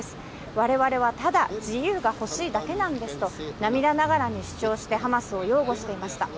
われわれはただ、自由が欲しいだけなんですと、涙ながらに主張して、ハマスを擁護していました。